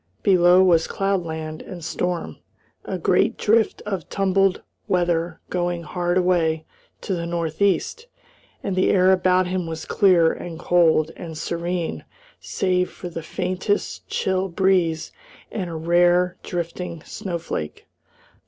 Below was cloudland and storm, a great drift of tumbled weather going hard away to the north east, and the air about him was clear and cold and serene save for the faintest chill breeze and a rare, drifting snow flake.